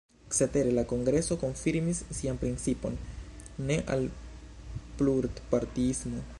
Cetere la kongreso konfirmis sian principon: ne al plurpartiismo.